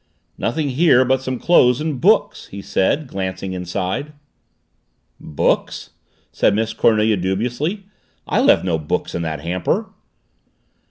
"Nothing here but some clothes and books," he said, glancing inside. "Books?" said Miss Cornelia dubiously. "I left no books in that hamper."